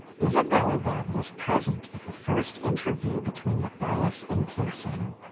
Isabella, then, was present at the first interview between Matthias and Pierson.